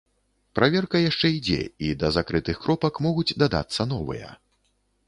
Праверка яшчэ ідзе, і да закрытых кропак могуць дадацца новыя.